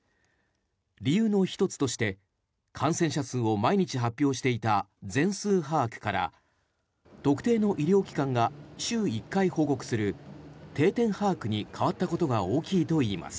理由の１つとして、感染者数を毎日発表していた全数把握から特定の医療機関が週１回報告する定点把握に変わったことが大きいといいます。